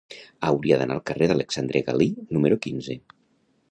Hauria d'anar al carrer d'Alexandre Galí número quinze.